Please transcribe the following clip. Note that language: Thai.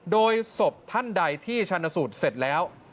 โดยศพท่านใดที่ชันสูตรเสร็จแล้ว